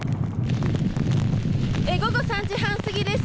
午後３時半過ぎです。